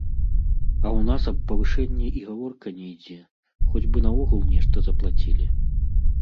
А ў нас аб павышэнні і гаворкі не ідзе, хоць бы наогул нешта заплацілі.